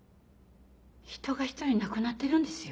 人が１人亡くなってるんですよ？